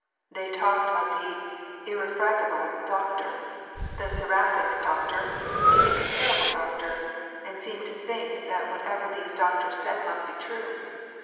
They talked of "the irrefragable" doctor, "the seraphic" doctor, " the incomparable " doctor, and seemed to think that what ever these doctors said must be true